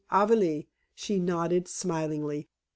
Avali!" she nodded smilingly.